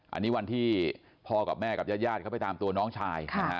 อันนี้วันที่พ่อกับแม่กับญาติเขาไปตามตัวน้องชาย